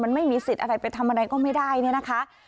มันไม่มีสิทธิ์อะไรไปทำอะไรก็ไม่ได้เนี่ยนะคะ